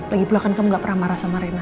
lagipula kan kamu ga pernah marah sama reina